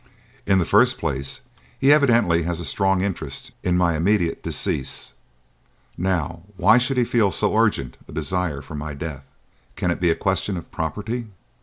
In the first place, he evidently has a strong interest in my immediate decease. Now, why should he feel so urgent a desire for my death? Can it be a question of property?